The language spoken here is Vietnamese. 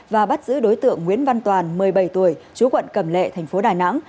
và bắt giữ đối tượng nguyễn văn toàn một mươi bảy tuổi chú quận cẩm lệ thành phố đà nẵng